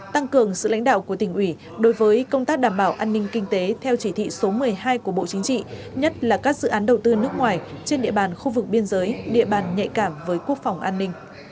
tăng cường sự lãnh đạo của tỉnh ủy đối với công tác đảm bảo an ninh kinh tế theo chỉ thị số một mươi hai của bộ chính trị nhất là các dự án đầu tư nước ngoài trên địa bàn khu vực biên giới địa bàn nhạy cảm với quốc phòng an ninh